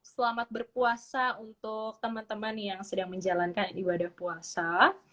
selamat berpuasa untuk teman teman yang sedang menjalankan ibadah puasa